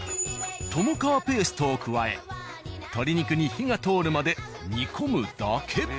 トムカーペーストを加え鶏肉に火が通るまで煮込むだけ。